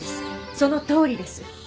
そのとおりです。